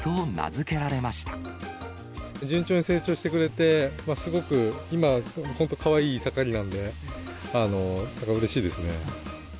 順調に成長してくれて、すごく今、本当、かわいい盛りなんで、うれしいですね。